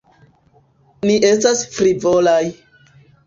Ni estas frivolaj.